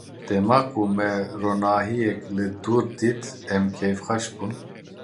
Dema ku me ronahiyek li dûr dît, em kêfxweş bûn.